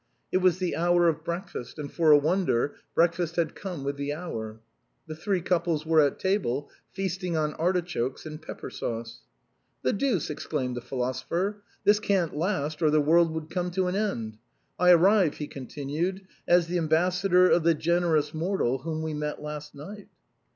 It was the hour of breakfast, and, for a wonder, breakfast had come with the hour. The three couples were at table, feasting on artichokes and pepper sauce. " The deuce !" exclaimed the philosopher ;" this can't last, or the world would come to an end. I arrive," he continued, " as the ambassador of the generous mortal whom we met last night."